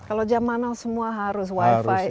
kalau jam mana semua harus wifi